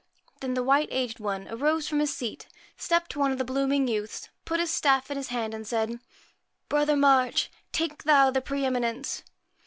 ' Then the white aged one arose from his seat, stepped to one of the blooming youths, put his staff into his hand, and said 1 Brother March, take thou the pre eminence.'